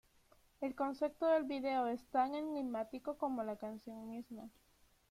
El concepto del video es tan enigmático como la canción misma.